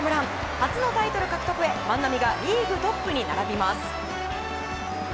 初のタイトル獲得へ万波がリーグトップへ並びます。